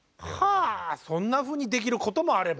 あそんなふうにできることもあれば。